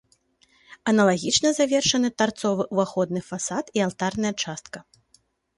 Аналагічна завершаны тарцовы ўваходны фасад і алтарная частка.